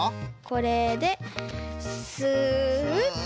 これでスッと。